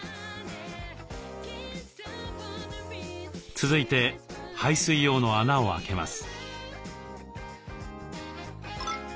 続いて排水用の穴を開けます。